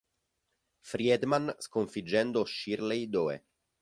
Friedman sconfiggendo Shirley Doe.